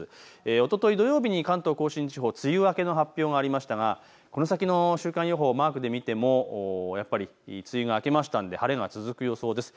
おととい土曜日に関東甲信地方、梅雨明けの発表がありましたがこの先の週間予報、マークで見てもやっぱり梅雨が明けましたので晴れが続く予想です。